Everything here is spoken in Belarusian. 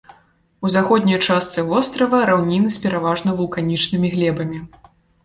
У заходняй частцы вострава раўніны з пераважна вулканічнымі глебамі.